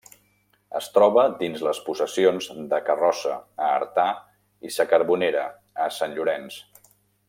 Es troba dins les possessions de Carrossa, a Artà, i sa Carbonera, a Sant Llorenç.